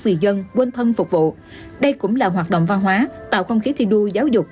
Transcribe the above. vì dân quên thân phục vụ đây cũng là hoạt động văn hóa tạo không khí thi đua giáo dục